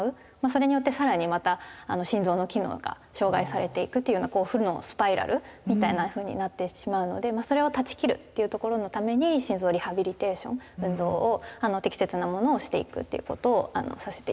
それによって更にまた心臓の機能が障害されていくというようなこう負のスパイラルみたいなふうになってしまうのでそれを断ち切るっていうところのために心臓リハビリテーション運動を適切なものをしていくっていうことをさせて頂いてます。